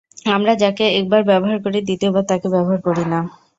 আমরা যাকে একবার ব্যবহার করি, দ্বিতীয়বার তাকে ব্যবহার করি না।